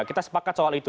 kita sepakat soal itu